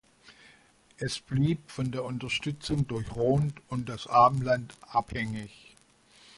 Es blieb von der Unterstützung durch Rom und das Abendland abhängig.